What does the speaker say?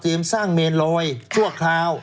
เตรียมสร้างเมรอยชั่วคราว